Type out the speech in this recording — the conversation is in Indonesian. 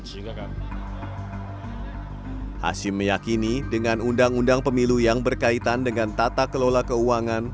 kepada kpu pusat kemungkinan untuk melakukan pemilu yang berkaitan dengan tata kelola keuangan